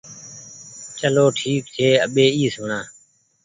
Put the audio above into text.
چلو ٺيڪ ڇي اٻي اي سوڻآ